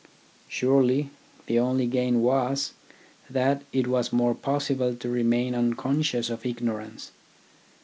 Surely the only gain was, that it was more possible to remain unconscious of ignorance.